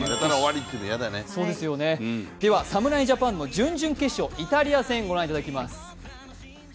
侍ジャパンの準々決勝イタリア戦ご覧いただきます。